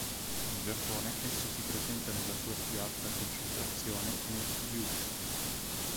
In Giappone, esso si presenta nella sua più alta concentrazione nel Kyūshū.